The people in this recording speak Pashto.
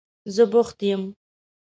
زه بوخت یم.